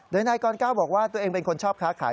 โดยนายกรก้าวบอกว่าตัวเองเป็นคนชอบค้าขาย